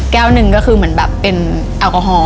หนึ่งก็คือเหมือนแบบเป็นแอลกอฮอล